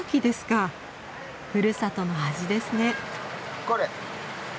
ふるさとの味ですね。